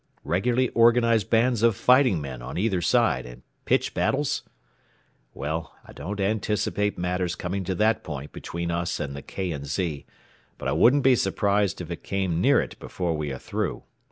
Regularly organized bands of fighting men on either side, and pitched battles? Well, I don't anticipate matters coming to that point between us and the K. & Z., but I wouldn't be surprised if it came near it before we are through.